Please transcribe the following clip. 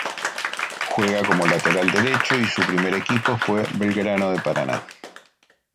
Juega como lateral derecho y su primer equipo fue Belgrano de Paraná.